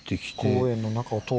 公園の中を通り。